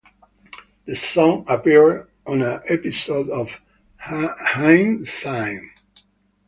The song appeared on an episode of "Hindsight".